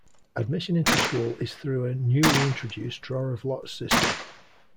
Admission into school is through a newly introduced draw of lots system.